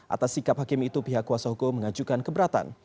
atas sikap hakim itu pihak kuasa hukum mengajukan keberatan